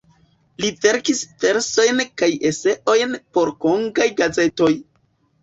Li verkis versojn kaj eseojn por Kongaj gazetoj.